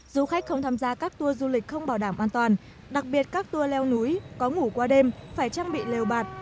du khách không tham gia các tour du lịch không bảo đảm an toàn đặc biệt các tour leo núi có ngủ qua đêm phải trang bị lều bạt